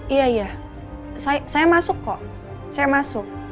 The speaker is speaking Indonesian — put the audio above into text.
iya iya saya masuk kok saya masuk